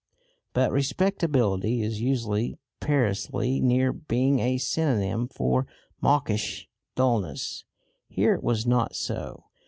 But respectability is usually perilously near being a synonym for mawkish dullness. Here it was not so.